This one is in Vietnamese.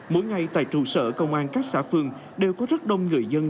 mỗi ngày tại trụ sở công an các xã phường đều có rất đông người dân